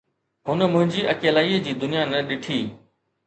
هن منهنجي اڪيلائي جي دنيا نه ڏٺي